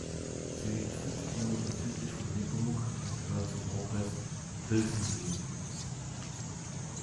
Sie liegt fünf Kilometer südlich von Nepomuk und gehört zum Okres Plzeň-jih.